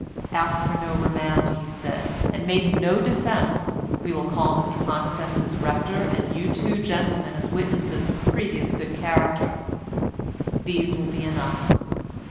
"Ask for no remand," he said, "and make no defence. We will call Mr Pontifex's rector and you two gentlemen as witnesses for previous good character. These will be enough.